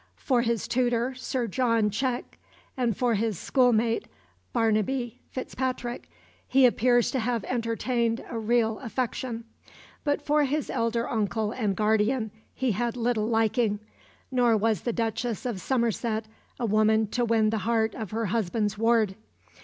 For his tutor, Sir John Cheke, and for his school mate, Barnaby Fitzpatrick, he appears to have entertained a real affection; but for his elder uncle and guardian he had little liking, nor was the Duchess of Somerset a woman to win the heart of her husband's ward.